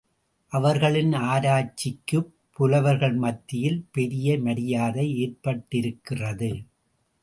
அவர்களின் ஆராய்ச்சிக்குப் புலவர்கள் மத்தியில் பெரிய மரியாதை ஏற்பட்டிருக்கிறது.